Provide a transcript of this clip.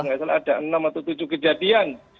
tidak salah ada enam atau tujuh kejadian